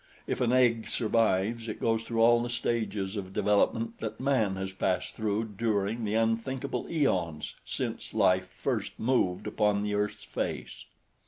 If an egg survives it goes through all the stages of development that man has passed through during the unthinkable eons since life first moved upon the earth's face.